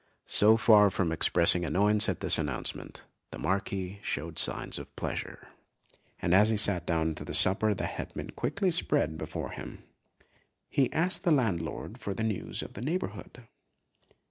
So far from expressing annoyance at this announcement, the Marquis showed signs of pleasure, and as he sat down to the supper that had been quickly spread before him, he asked the landlord for the news of the neighbourhood.